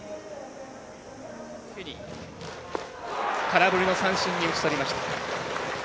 空振りの三振に打ちとりました。